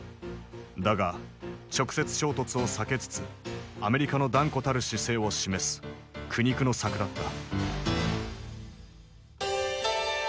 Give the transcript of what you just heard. だが直接衝突を避けつつアメリカの断固たる姿勢を示す苦肉の策だった。